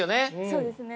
そうですね。